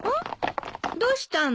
どうしたの？